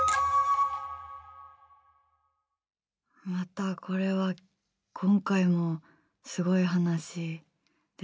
またこれは今回もすごい話ですね。